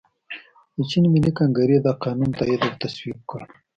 د چین ملي کنګرې دا قانون تائید او تصویب کړ.